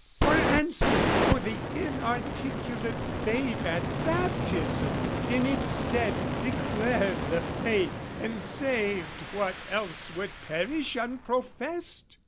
Or answered for the inarticulate babe At baptism, in its stead declared the faith, And saved what else would perish unprofessed?